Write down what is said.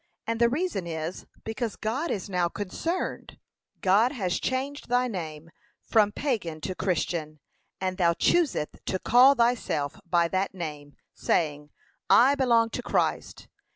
And the reason is, because God is now concerned. (ch. 11:26) God has changed thy name from Pagan to Christian, and thou choosest to call thyself by that name, saying, 'I belong to Christ.'